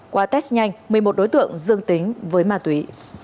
qua test nhanh một mươi một đối tượng dương tính với ma túy